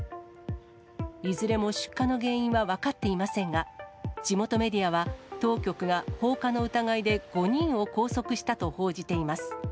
いずれも出火の原因は分かっていませんが、地元メディアは、当局が放火の疑いで５人を拘束したと報じています。